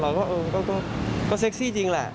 เราก็เออก็เซ็กซี่จริงแหละ